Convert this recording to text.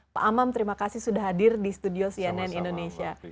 pak amam terima kasih sudah hadir di studio cnn indonesia